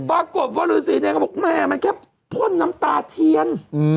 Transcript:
ป่ากบว่ารื้อสีเนนมันแค่พ่นน้ำตาเทียน